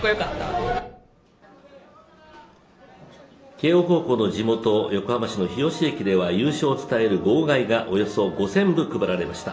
慶応高校の地元、横浜市の日吉駅では優勝を伝える号外がおよそ５０００部配られました。